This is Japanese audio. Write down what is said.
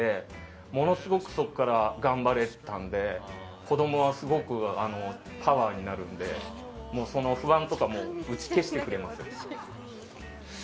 ものすごくそこから頑張れたので子供はすごくパワーになるのでその不安とかも打ち消してくれます。